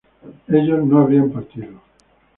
ellos no habrían partido